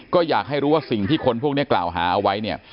ก็อยากให้รู้ว่าสิ่งที่คนพวกนี้กล่าวหาเอาไว้เนี่ย